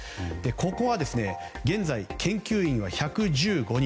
ここは現在、研究員は１１５人。